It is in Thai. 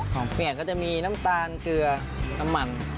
เปียกก็จะมีน้ำตาลเกลือน้ำมัน